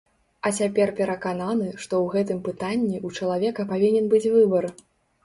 А цяпер перакананы, што ў гэтым пытанні ў чалавека павінен быць выбар.